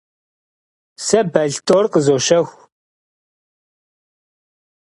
Сэ балътор къызощэху.